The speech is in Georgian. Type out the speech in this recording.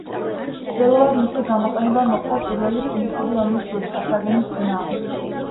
პირველად მისი გამოყენება მოხდა პირველი პუნიკური ომის დროს, კართაგენის წინააღმდეგ.